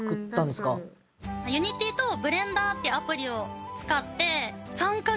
ＵｎｉｔｙとＢｌｅｎｄｅｒっていうえーっ！